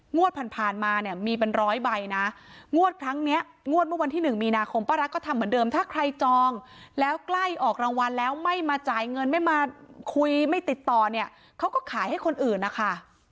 ผ่านผ่านมาเนี่ยมีเป็นร้อยใบนะงวดครั้งเนี้ยงวดเมื่อวันที่๑มีนาคมป้ารักก็ทำเหมือนเดิมถ้าใครจองแล้วใกล้ออกรางวัลแล้วไม่มาจ่ายเงินไม่มาคุยไม่ติดต่อเนี่ยเขาก็ขายให้คนอื่นนะคะ